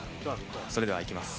それではいきます。